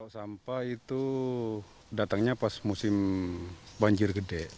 sampah itu datangnya pas musim banjir gede